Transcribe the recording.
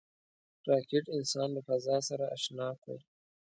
راکټ انسان له فضا سره اشنا کړ